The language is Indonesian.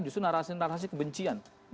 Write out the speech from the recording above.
justru narasi narasi kebencian